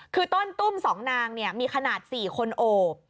คือต้นตุ้ม๒นางมีขนาด๔คนโอบ